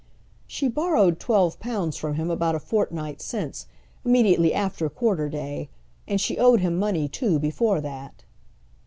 "She borrowed twelve pounds from him about a fortnight since, immediately after quarter day. And she owed him money, too, before that."